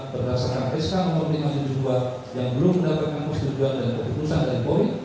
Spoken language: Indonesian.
berdasarkan sk no lima ratus tujuh puluh dua yang belum mendapatkan keputusan dan keputusan dari kpui